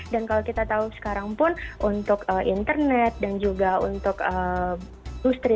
dan kalau kita tahu sekarang pun untuk internet dan juga untuk industri